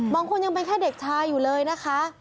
บางคนยังเป็นแค่เด็กชายอยู่เลยนะคะ